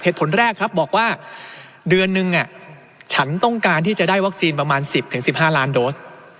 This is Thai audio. เหตุผลแรกครับบอกว่าเดือนหนึ่งอ่ะฉันต้องการที่จะได้วัคซีนประมาณสิบถึงสิบห้าร้านโดรน